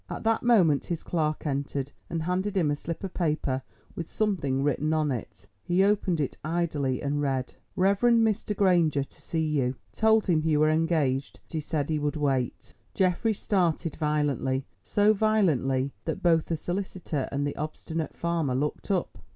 At that moment his clerk entered, and handed him a slip of paper with something written on it. He opened it idly and read: "Revd. Mr. Granger to see you. Told him you were engaged, but he said he would wait." Geoffrey started violently, so violently that both the solicitor and the obstinate farmer looked up.